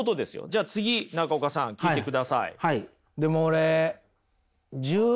じゃあ次中岡さん聞いてください。